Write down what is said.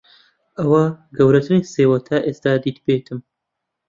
ئەوە گەورەترین سێوە تا ئێستا دیتبێتم.